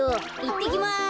いってきます。